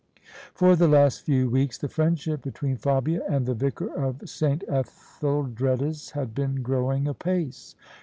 For the last few weeks the friendship between Fabia and the vicar of S. Etheldreda's had been growing apace.